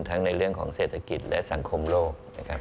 ทั้งในเรื่องของเศรษฐกิจและสังคมโลก